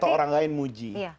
atau orang lain muji